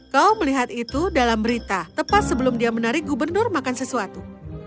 kau melihat itu dalam berita tepat sebelum dia menarik gubernur makan sesuatu